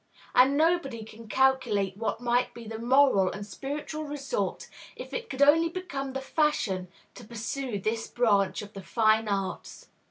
And nobody can calculate what might be the moral and spiritual results if it could only become the fashion to pursue this branch of the fine arts.